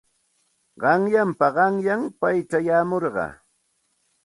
Qanyanpa qanyan pay chayamurqa.